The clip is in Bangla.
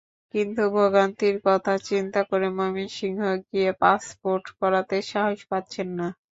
কিন্তু ভোগান্তির কথা চিন্তা করে ময়মনসিংহে গিয়ে পাসপোর্ট করাতে সাহস পাচ্ছেন না।